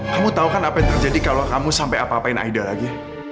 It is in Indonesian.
kamu tahu kan apa yang terjadi kalau kamu sampai apa apain aida lagi